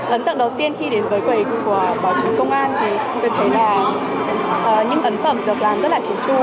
ấn tượng đầu tiên khi đến với quầy của báo chí công an thì tôi thấy là những ấn phẩm được làm rất là chính chu